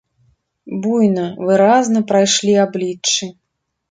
Буйна, выразна прайшлі абліччы.